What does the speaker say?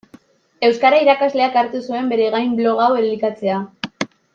Euskara irakasleak hartu zuen bere gain blog hau elikatzea.